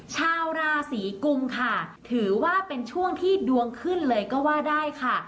ชาวราศีกุมค่ะถือว่าเป็นช่วงที่ดวงขึ้นเลยก็ว่าได้ค่ะ